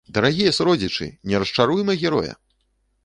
Дарагія суродзічы, не расчаруйма героя!